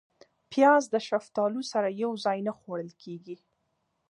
پیاز د شفتالو سره یو ځای نه خوړل کېږي